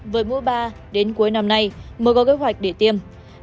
với mũ ba đến cuối năm nay mới có kế hoạch để tiêm